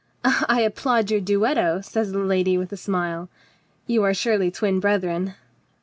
"I applaud your duetto," says the lady with a smile. "You are surely twin brethren?"